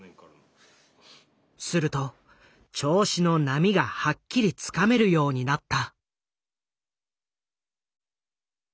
すると調子の波がはっきりつかめるようになった。